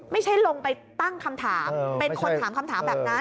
ไม่ใช่ลงไปตั้งคำถามเป็นคนถามคำถามแบบนั้น